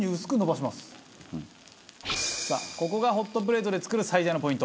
さあここがホットプレートで作る最大のポイント。